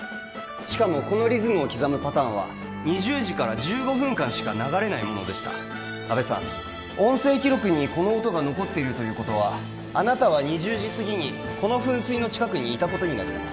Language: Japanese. しかもこのリズムを刻むパターンは２０時から１５分間しか流れないものでした阿部さん音声記録にこの音が残っているということはあなたは２０時すぎにこの噴水の近くにいたことになります